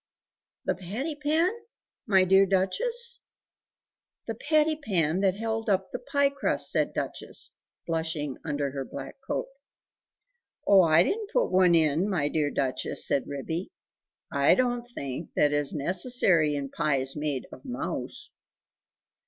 "The patty pan? my dear Duchess?" "The patty pan that held up the pie crust," said Duchess, blushing under her black coat. "Oh, I didn't put one in, my dear Duchess," said Ribby; "I don't think that it is necessary in pies made of mouse."